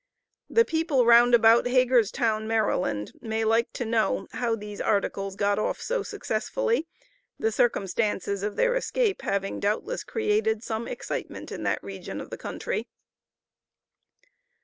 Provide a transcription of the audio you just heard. The people round about Hagerstown, Maryland, may like to know how these "articles" got off so successfully, the circumstances of their escape having doubtless created some excitement in that region of the country.